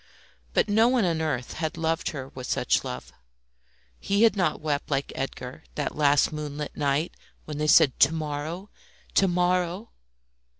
But no one on earth had loved her with such love. He had not wept like Edgar that last moonlit night when they said, "To morrow! to morrow!"